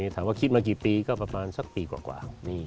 ถามว่าคิดมากี่ปีก็ประมาณสักปีกว่า